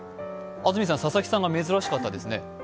安住さん、佐々木さんが珍しかったですね。